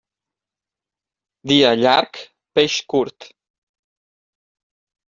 Dia llarg, peix curt.